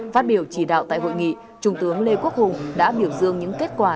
phát biểu chỉ đạo tại hội nghị trung tướng lê quốc hùng đã biểu dương những kết quả